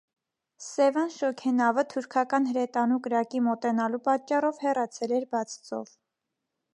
«Սևան» շոգենավը, թուրքական հրետանու կրակի մոտենալու պատճառով, հեռացել էր բաց ծով։